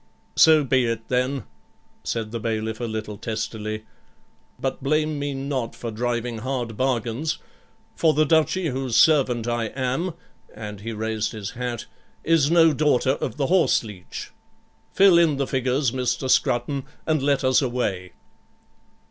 'So be it then,' said the bailiff a little testily, 'but blame me not for driving hard bargains; for the Duchy, whose servant I am,' and he raised his hat, 'is no daughter of the horse leech. Fill in the figures, Mr. Scrutton, and let us away.'